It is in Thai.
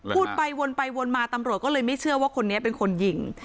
พูดไปวนไปวนมาตำรวจก็เลยไม่เชื่อว่าคนนี้เป็นคนยิง